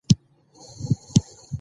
جنگ پر کوچني کېږي ، يا پر سپي.